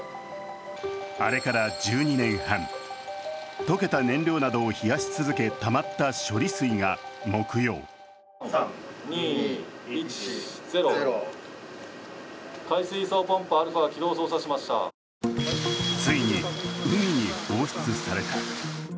あれから１２年半、溶けた燃料などを冷やし続けたまった処理水が木曜ついに海に放出された。